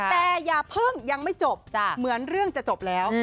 แต่อย่าเพิ่งยังไม่จบเหมือนเรื่องจะจบแล้ว